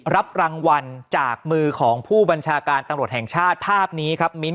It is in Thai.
รับรางวัลจากมือของผู้บัญชาการตำรวจแห่งชาติภาพนี้ครับมิ้นท